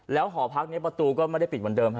หอพักนี้ประตูก็ไม่ได้ปิดเหมือนเดิมฮะ